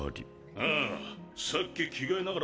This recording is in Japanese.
ああさっき着替えながらもめてたぞ。